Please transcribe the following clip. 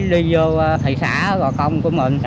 đi vô thị xã gò cong của mình